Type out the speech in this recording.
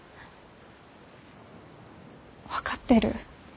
分かってる？